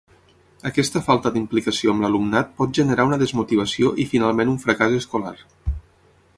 Aquesta falta d'implicació amb l'alumnat pot generar una desmotivació i finalment un fracàs escolar.